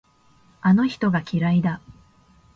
あの人が嫌いだ。